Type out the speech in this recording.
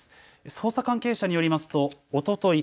捜査関係者によりますとおととい